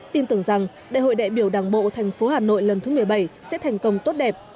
tin tưởng rằng đại hội đại biểu đảng bộ thành phố hà nội lần thứ một mươi bảy sẽ thành công tốt đẹp